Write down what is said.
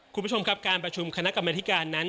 คุณผู้ชมครับการประชุมคณะกรรมธิการนั้น